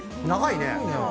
長いね。